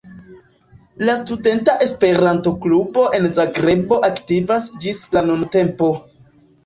La Studenta Esperanto-Klubo en Zagrebo aktivas ĝis la nuntempo.